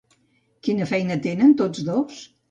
Quina feina tenen tots dos?